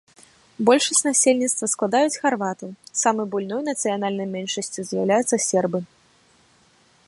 Большасць насельніцтва складаюць харватаў, самай буйной нацыянальнай меншасцю з'яўляюцца сербы.